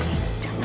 aku mau berjalan